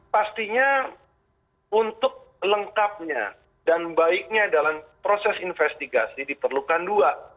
pastinya untuk lengkapnya dan baiknya dalam proses investigasi diperlukan dua